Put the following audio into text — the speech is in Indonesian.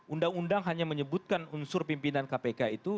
undang undang hanya menyebutkan unsur pimpinan kpk itu